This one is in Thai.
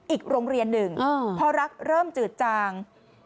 อีกโรงเรียนหนึ่งพอรักเริ่มจืดจาง